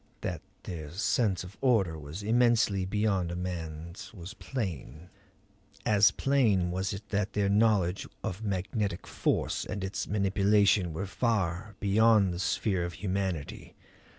That their sense of order was immensely beyond a man's was plain. As plain was it that their knowledge of magnetic force and its manipulation were far beyond the sphere of humanity.